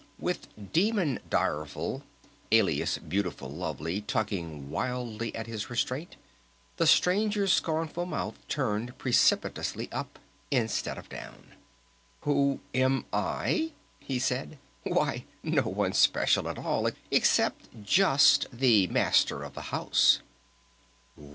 With Demon Direful, alias Beautiful Lovely tugging wildly at his restraint, the Stranger's scornful mouth turned precipitously up, instead of down. "Who am I?" he said. "Why, no one special at all except just the Master of the House!"